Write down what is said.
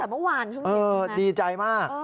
แต่เมื่อวานเท่าไหร่ดีใจมาก